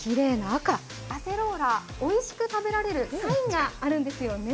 アセローラ、おいしく食べられるサインがあるんですよね。